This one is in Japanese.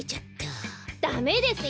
ダメです！